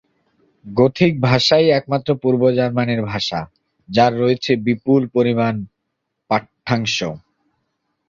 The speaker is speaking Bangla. গথিক ভাষাই একমাত্র পূর্ব জার্মানীয় ভাষা যার রয়েছে বিপুল পরিমাণ পাঠ্যাংশ।